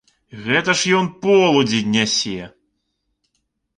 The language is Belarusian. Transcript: Гэта ж ён полудзень нясе!